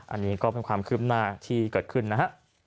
อันนี้ก็เป็นความคืบหน้าที่เกิดขึ้นนะฮะ